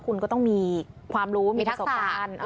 คุณก็ต้องมีความรู้มีทักษะ